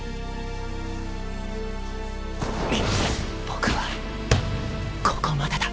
僕はここまでだ。